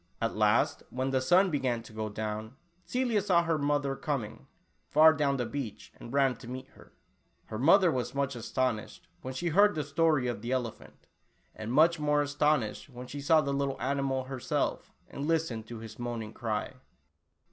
At last, when the sun began to go down, Celia saw her mother coming, far down the beach, and ran to meet her. Her mother was much as tonished, when she heard the story of the elephant, and much more astonished when she saw the little animal herself, and listened to his moaning cry.